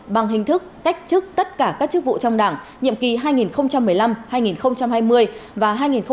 bằng hình thức cách chức tất cả các chức vụ trong đảng nhiệm kỳ hai nghìn một mươi năm hai nghìn hai mươi và hai nghìn hai mươi hai nghìn hai mươi năm